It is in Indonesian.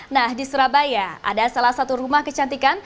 nah di surabaya ada salah satu rumah kecantikan